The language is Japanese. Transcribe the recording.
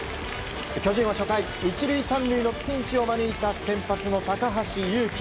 巨人は初回１塁３塁のピンチを招いた先発の高橋優貴。